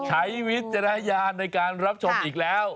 วิจารณญาณในการรับชมอีกแล้ว